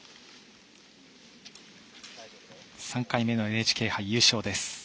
３回目のＮＨＫ杯優勝です。